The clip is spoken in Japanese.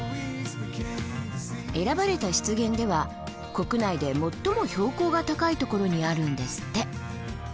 選ばれた湿原では国内で最も標高が高いところにあるんですって。